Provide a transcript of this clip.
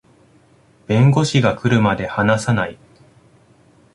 弁護士が来るまで話さない